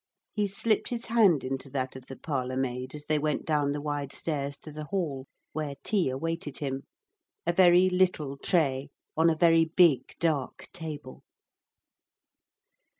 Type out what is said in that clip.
He slipped his hand into that of the parlour maid as they went down the wide stairs to the hall, where tea awaited him a very little tray on a very big, dark table.